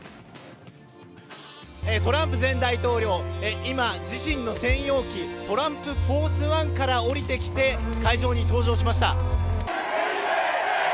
トランプ前大統領、今、自身の専用機、トランプ・フォース・ワンから降りてきて、会場に登場しました。